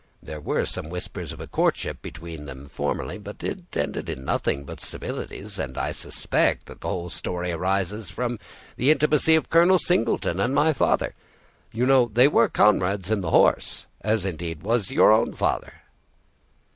There were some whispers of a courtship between them formerly, but it ended in nothing but civilities, and I suspect that the whole story arises from the intimacy of Colonel Singleton and my father. You know they were comrades in the horse, as indeed was your own father."